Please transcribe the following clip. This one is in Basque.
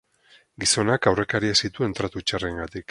Gizonak aurrekariak zituen tratu txarrengatik.